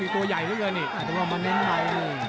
ถูกออกมาเน้นในนี่